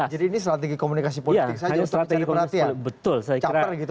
jadi ini strategi komunikasi politik saja untuk mencari perhatian